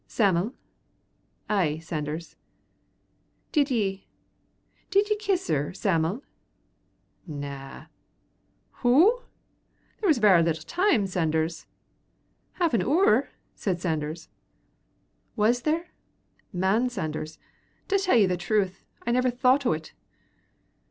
"Sam'l?" "Ay, Sanders." "Did ye did ye kiss her, Sam'l?" "Na." "Hoo?" "There's was varra little time, Sanders." "Half an 'oor," said Sanders. "Was there? Man Sanders, to tell ye the truth, I never thocht o't."